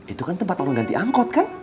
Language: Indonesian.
itu kan tempat orang ganti angkot kan